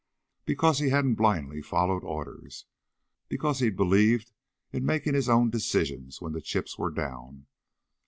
Because he hadn't blindly followed orders. Because he'd believed in making his own decisions when the chips were down.